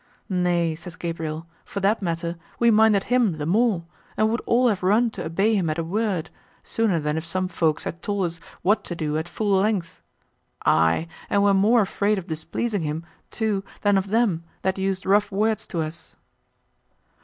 Nay, says Gabriel, for that matter, we minded him the more, and would all have run to obey him at a word, sooner than if some folks had told us what to do at full length; aye, and were more afraid of displeasing him, too, than of them, that used rough words to us."